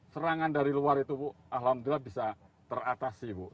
serangan dari luar itu bu alhamdulillah bisa teratasi bu